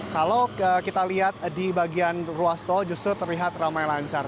kalau kita lihat di bagian ruas tol justru terlihat ramai lancar